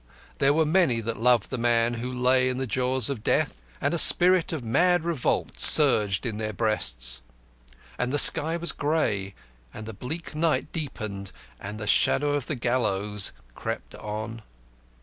There were many that loved the man who lay in the jaws of death, and a spirit of mad revolt surged in their breasts. And the sky was grey, and the bleak night deepened, and the shadow of the gallows crept on.